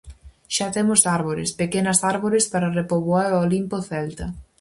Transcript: Xa temos árbores, pequenas árbores, para repoboar o olimpo celta.